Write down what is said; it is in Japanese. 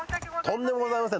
とんでもございません。